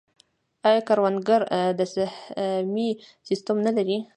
آیا کروندګر د سهمیې سیستم نلري؟